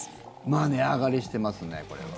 まあ値上がりしてますねこれは。